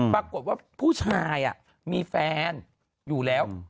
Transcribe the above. ปรากฏว่าผู้ชายมีแฟนอยู่แล้ว